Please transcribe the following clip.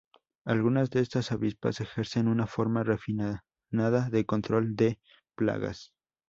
Algunas de estas avispas ejercen una forma refinada de control de plagas.